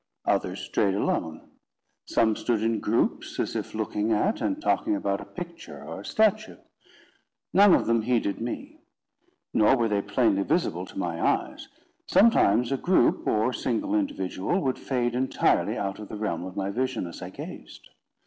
Others strayed alone. Some stood in groups, as if looking at and talking about a picture or a statue. None of them heeded me. Nor were they plainly visible to my eyes. Sometimes a group, or single individual, would fade entirely out of the realm of my vision as I gazed.